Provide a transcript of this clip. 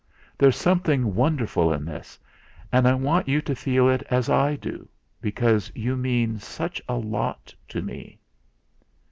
There's something wonderful in this, and I want you to feel it as I do, because you mean such a lot to me."